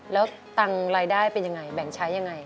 แล้วตังค์รายได้เป็นยังไงแบ่งใช้ยังไง